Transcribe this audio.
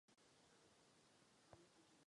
Na albu se podílelo několik dalších hudebníků.